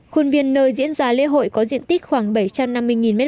khuôn viên nơi diễn ra lễ hội có diện tích khoảng bảy trăm năm mươi m hai